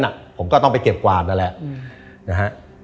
นั่นก็เราก็ต้องไปเก็บกวาดแล้วละ